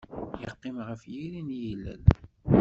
Yeqqim ɣef yiri n yilel.